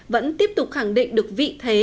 vẫn tiếp tục khẳng định được vị thế